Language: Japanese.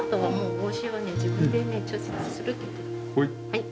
はい。